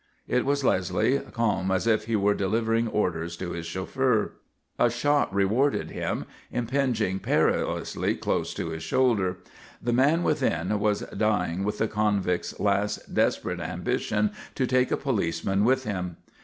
It was Leslie, calm as if he were delivering orders to his chauffeur. A shot rewarded him, impinging perilously close to his shoulder. The man within was dying with the convict's last desperate ambition to take a policeman with him.